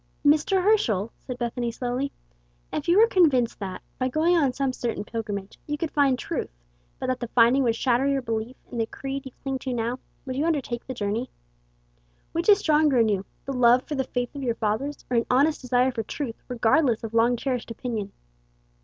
"Mr. Herschel," said Bethany, slowly, "if you were convinced that, by going on some certain pilgrimage, you could find Truth, but that the finding would shatter your belief in the creed you cling to now, would you undertake the journey? Which is stronger in you, the love for the faith of your fathers, or an honest desire for Truth, regardless of long cherished opinion?"